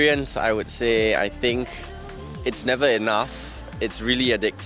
ini tidak cukup sangat menggoda